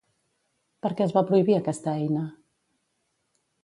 Per què es va prohibir aquesta eina?